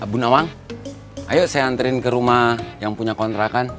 bu nawang ayo saya antriin ke rumah yang punya kontrakan